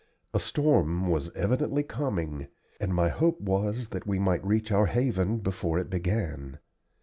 A storm was evidently coming, and my hope was that we might reach our haven before it began.